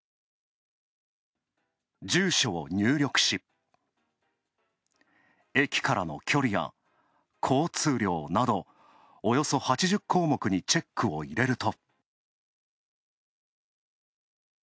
住所を入力し、駅からの距離や交通量など、およそ８０項目にチェックを入れると。